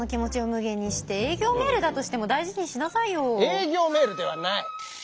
営業メールではない！